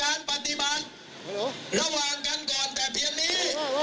การปฏิบัติระหว่างกันก่อนแต่เพียงนี้